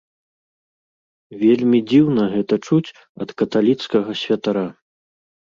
Вельмі дзіўна гэта чуць ад каталіцкага святара.